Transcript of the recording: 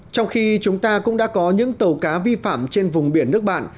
trong khi chúng ta cũng đã có những tàu cá vi phạm trên vùng biển nước bạn